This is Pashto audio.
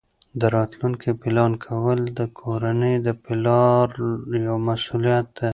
د راتلونکي پلان کول د کورنۍ د پلار یوه مسؤلیت ده.